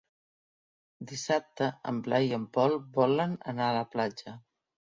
Dissabte en Blai i en Pol volen anar a la platja.